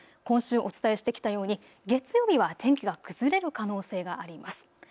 今週お伝えしてきたように月曜日は天気が崩れる可能性があります。